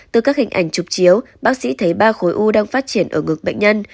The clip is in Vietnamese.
từ các hình ảnh chụp chiếu bác sĩ thấy ba khối u đang phát triển ở ngược bệnh nhân